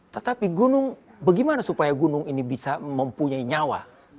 tetapi gunung bagaimana supaya gunung ini bisa mempunyai nyawa